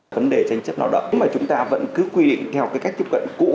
vấn đề tranh chấp nào đó chúng ta vẫn cứ quy định theo cách tiếp cận cũ